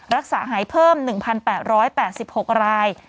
รักษาหายเพิ่ม๑๘๘๖ราย